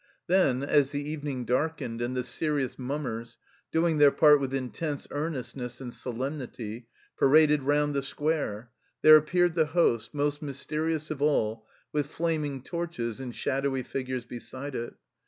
Then, as the evening darkened, and the serious mummers, doing their part with intense earnestness and solemnity, paraded round the Square, there appeared the Host, most mysterious of all, with flaming torches and shadowy figures beside it.